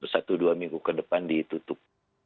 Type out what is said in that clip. satu dua minggu ke depan ditutup